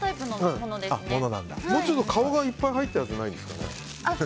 もうちょっと顔がいっぱい入った八ないんですかね？